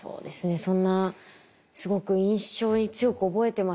そんなすごく印象に強く覚えてますね。